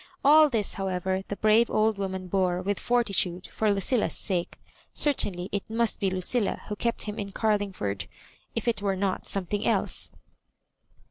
All this, however, the brave old woman bore with fortitude for Lucilla's sake: certainly it must be Lucilla who kept him in Gar lingford — ^if it were not something else.